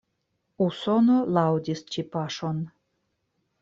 Usono laŭdis ĉi paŝon.